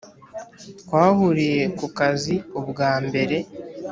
Twahuriye kukazi ubwambere